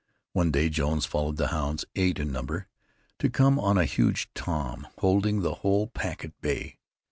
One day Jones followed the hounds, eight in number, to come on a huge Tom holding the whole pack at bay.